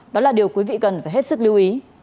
đó là điều quý vị cần phải hết sức lưu ý